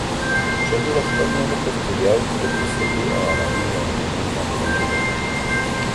ښځه د خپل مېړه په ستړیاوو کي د تسلۍ او ارامۍ یوازینۍ ملغلره ده